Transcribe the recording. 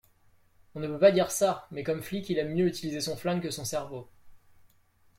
On ne peut pas dire ça, mais comme flic il aime mieux utiliser son flingue que son cerveau